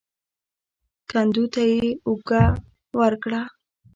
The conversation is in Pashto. کندو ته يې اوږه ورکړه.